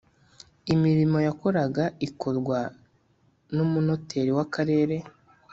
Imirimo yakoraga ikorwa n’ umunoteri w’akarere